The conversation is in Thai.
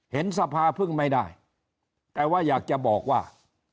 สภาพึ่งไม่ได้แต่ว่าอยากจะบอกว่า